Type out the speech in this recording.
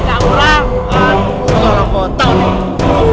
aduh rada rada tidak ada orang